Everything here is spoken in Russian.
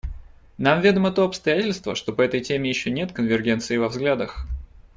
Нам ведомо то обстоятельство, что по этой теме еще нет конвергенции во взглядах.